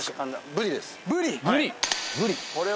ブリ？